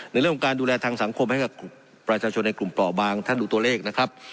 ในเรื่องของการดูแลทางสังคมให้กับประชาชนในกลุ่มเปราะบางท่านดูตัวเลขนะครับ